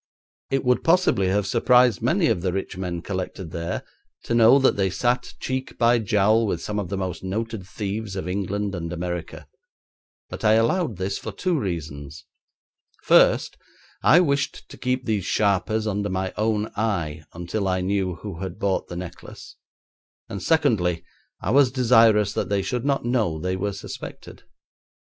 It would possibly have surprised many of the rich men collected there to know that they sat cheek by jowl with some of the most noted thieves of England and America, but I allowed this for two reasons: first, I wished to keep these sharpers under my own eye until I knew who had bought the necklace; and, secondly, I was desirous that they should not know they were suspected.